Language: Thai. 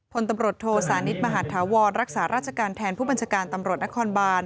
พลตำรวจโทสานิทมหาธาวรรักษาราชการแทนผู้บัญชาการตำรวจนครบาน